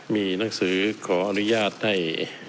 มีหนังสือขออนุญาตให้